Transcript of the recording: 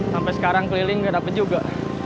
sampai sekarang keliling gak dapet juga